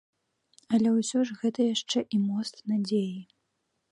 Але ўсё ж гэта яшчэ і мост надзеі.